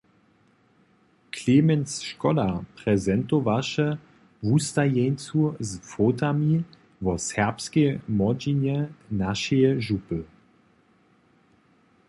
Clemens Škoda prezentowaše wustajeńcu z fotami wo serbskej młodźinje našeje župy.